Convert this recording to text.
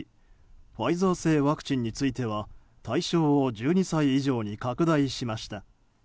ファイザー製ワクチンについては対象を１２歳以上に拡大しました。